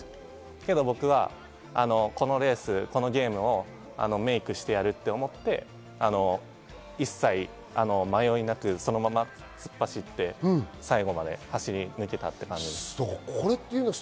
けど僕は、このレースをメークしてやると思って、一切迷いなく、そのまま突っ走って最後まで走り抜けたっていう感じです。